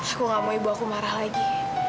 aku gak mau ibu aku marah lagi